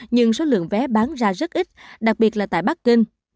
nhưng số lượng vé bán ra rất ít đặc biệt là tại bắc kinh